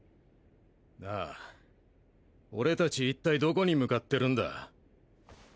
なァ俺達一体どこに向かってるんだ？